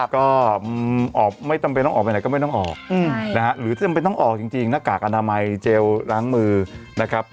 ก็ออกไม่ต้องออกไปไหนก็ไม่ต้องออกหรือถ้าไม่ต้องออกจริงหน้ากากอนามัยเจลล้างมือนะครับ